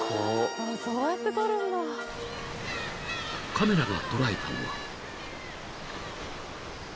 ［カメラが捉えたのは］